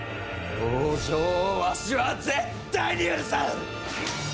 北条をわしは絶対に許さん！